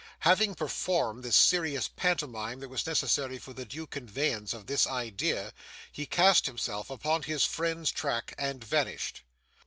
Having performed the serious pantomime that was necessary for the due conveyance of these idea, he cast himself upon his friend's track, and vanished.